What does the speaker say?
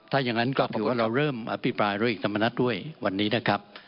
ถ้าอย่างนั้นก็เริ่มอธิบายร้อยเอกธรรมนัทด้วยวันนี้นะครับ